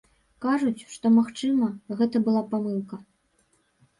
Кажуць, што, магчыма, гэта была памылка.